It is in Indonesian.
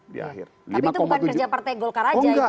tapi itu bukan kerja partai golkar aja